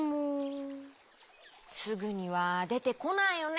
すぐにはでてこないよね